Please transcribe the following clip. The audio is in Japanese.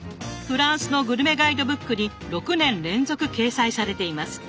フランスのグルメガイドブックに６年連続掲載されています。